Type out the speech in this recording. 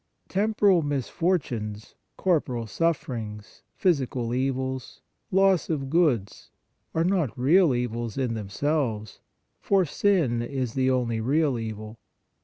Temporal misfortunes, corporal sufferings, physical evils, loss of goods are not real evils in themselves, for sin is the only real evil.